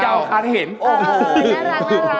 น้ำหนักทั้งหมดตอนนี้